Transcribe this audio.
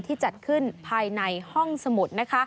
ที่จัดขึ้นภายในห้องสมุด